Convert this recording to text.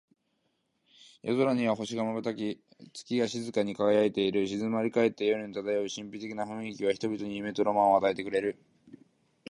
夜空には星が瞬き、月が静かに輝いている。静まり返った夜に漂う神秘的な雰囲気は、人々に夢とロマンを与えてくれる。